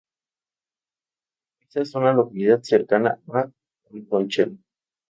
Ariza es una localidad cercana a Alconchel.